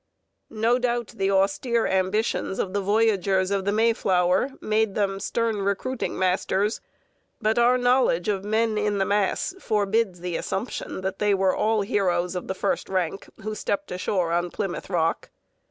No doubt the austere ambitions of the voyagers of the Mayflower made them stern recruiting masters, but our knowledge of men in the mass forbids the assumption that they were all heroes of the first rank who stepped ashore on Plymouth Rock.